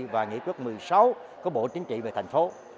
và nghị quyết một mươi sáu của bộ chính trị về thành phố